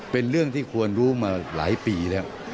เป็นเรื่องที่ควรรู้มาหลายปีแล้ว